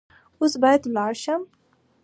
اوس باید ولاړ شم .